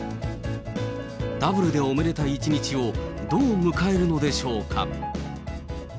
ダブルでおめでたい一日をどう迎えるのでしょうか。